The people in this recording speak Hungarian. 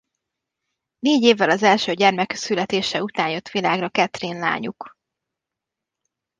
Négy évvel az első gyermekük születése után jött világra Katrin lányuk.